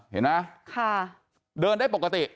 เห็นไหมเดินได้ปกติ